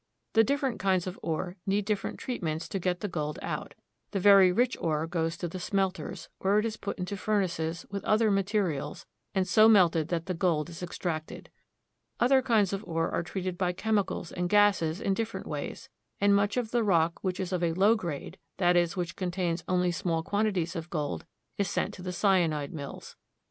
The different kinds of ore need different treatments to get the gold out. The very rich ore goes to the smelters, where it is put into furnaces, with other materials, and so melted that the gold is extracted. Other kinds of ore are treated by chemicals and gases in different ways; and much of the rock which is of a low grade — that is, which contains only small quantities of gold — is sent to the cy anide mills.